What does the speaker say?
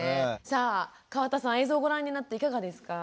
さあ川田さん映像をご覧になっていかがですか？